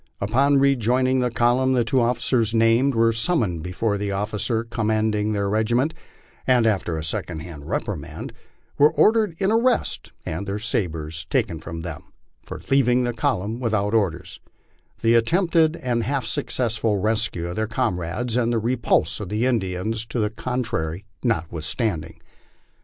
Upon rejoining the column the two officers named were summoned before the officer commanding their regiment, and, after a second hand reprimand, were ordered in arrest and their sabres taken from them, for leaving the column without orders the attempted and half successful rescue of their comrades and the repulse of the Indians to the eon trary notwithstanding.